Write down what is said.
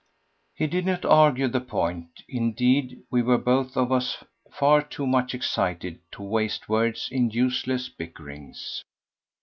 He did not argue the point. Indeed, we were both of us far too much excited to waste words in useless bickerings.